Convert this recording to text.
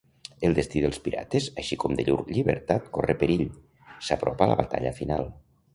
El destí dels pirates així com de llur llibertat, corre perill: s'apropa la batalla final.